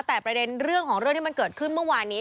แต่ประเด็นเรื่องของเรื่องที่มันเกิดขึ้นเมื่อวานนี้